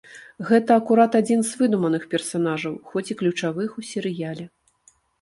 Гэта акурат адзін з выдуманых персанажаў, хоць і ключавых у серыяле.